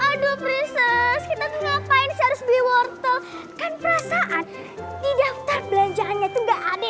aduh prinsip kita ngapain harus beli wortel kan perasaan di daftar belanjaannya juga ada